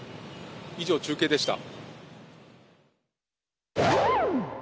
以上、中継でした。